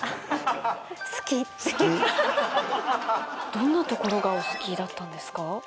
どんなところがお好きだったんですか？